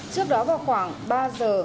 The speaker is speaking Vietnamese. trước đó vào khoảng ba giờ